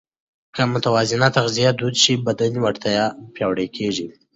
که متوازنه تغذیه دود شي، بدني وړتیا پیاوړې کېږي.